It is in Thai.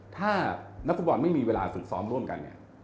ถ้านักฟุตบอลไม่มีเวลาฝึกซ้อมร่วมกันเนี่ย